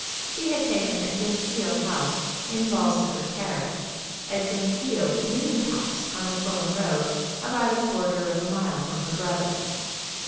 She had taken a genteel house in Bolsover Terrace, a genteel new house on the Fulham Road, about a quarter of a mile from her brother.